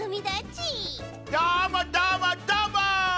どーもどーもどーも！